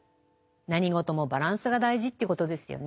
何事もバランスが大事ということですよね。